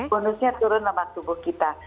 bonusnya turun lemak tubuh kita